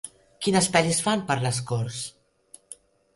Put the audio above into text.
Quines pel·lis fan per Les Corts?